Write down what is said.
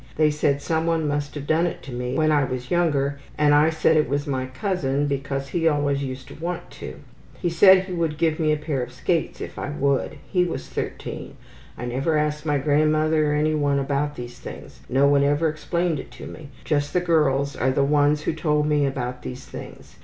They said someone must have done it to me when I was younger and I said it was my cousin because he always used to want to. He said he would give me a pair of skates if I would. He was 13. I never asked my grandmother or anyone about these things. No one ever explained it to me. Just the girls are the ones who told me about these things.